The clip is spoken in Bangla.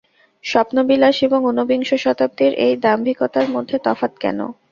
স্বপ্নবিলাস এবং ঊনবিংশ শতাব্দীর এই দাম্ভিকতার মধ্যে তফাত অনেক।